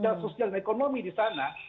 dan sosial dan ekonomi di sana